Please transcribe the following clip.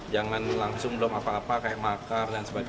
jangan langsung belum apa apa kayak makar